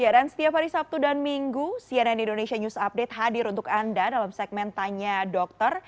dan setiap hari sabtu dan minggu cnn indonesia news update hadir untuk anda dalam segmen tanya dokter